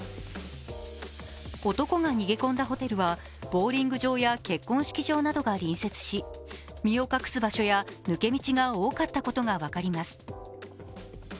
男が逃げ込んだホテルはボウリング場や結婚式場などが隣接し身を隠す場所や抜け道が多かったことが分かります。